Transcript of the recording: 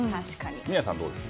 宮司さん、どうです？